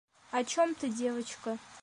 О чем ты, девочка?